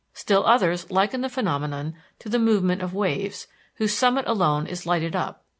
Still others liken the phenomenon to the movement of waves, whose summit alone is lighted up.